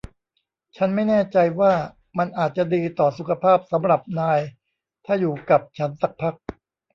ฉันไม่แน่ใจว่ามันอาจจะดีต่อสุขภาพสำหรับนายถ้าอยู่กับฉันสักพัก